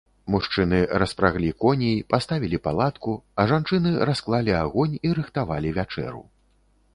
Мужчыны распраглі коней, паставілі палатку, а жанчыны расклалі агонь і рыхтавалі вячэру.